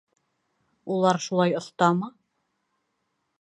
— Улар шулай оҫтамы?